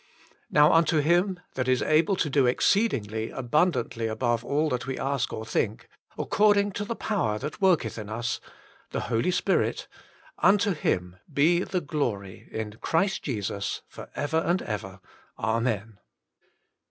Now unto Him that is able to do exceeding abundantly above all that we ask or think, according to the power that worketh in us, (the Holy Spirit), unto Him be the glory in Christ Jesus for ever and ever. Amen."